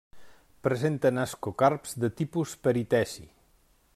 Presenten ascocarps de tipus periteci.